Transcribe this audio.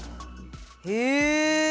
へえ。